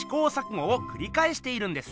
ごをくりかえしているんです。